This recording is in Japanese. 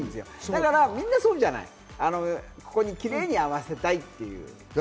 だから、みんなそうじゃない、きれいに合わせたいっていう。